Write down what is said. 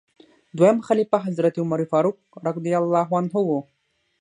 دویم خلیفه حضرت عمر فاروق رض و.